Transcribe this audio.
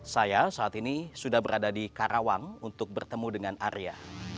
saya saat ini sudah berada di karawang untuk bertemu dengan arya